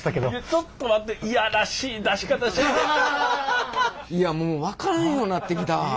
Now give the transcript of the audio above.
ちょっと待っていやもう分からんようなってきた。